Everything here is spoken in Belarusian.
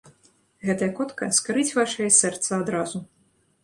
Гэтая котка скарыць вашае сэрца адразу.